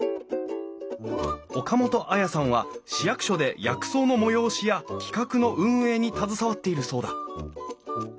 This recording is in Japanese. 岡本文さんは市役所で薬草の催しや企画の運営に携わっているそうだ。